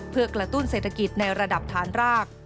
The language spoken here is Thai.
เพื่อกระตุ้นเศรษฐกิจในระดับฐานราก